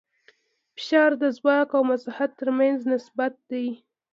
فشار د ځواک او مساحت تر منځ نسبت دی.